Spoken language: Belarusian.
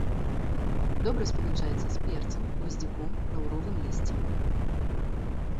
Добра спалучаецца з перцам, гваздзіком, лаўровым лісцем.